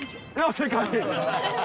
正解。